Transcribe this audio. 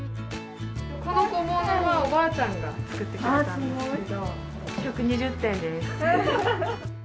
この小物はおばあちゃんが作ってくれたんですけど、１２０点です。